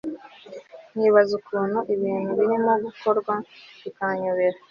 nkibaza ukuntu ibintu birimo gukorwa bikanyobera